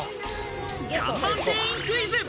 看板店員クイズ！